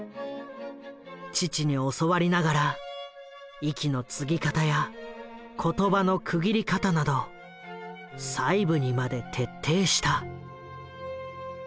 父に教わりながら息の継ぎ方や言葉のくぎり方など細部にまで徹底した。